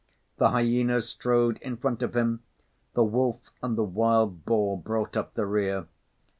The hyenas strode in front of him, the wolf and the wild boar brought up the rear.